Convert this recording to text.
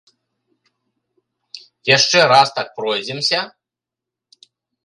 Яшчэ раз так пройдземся?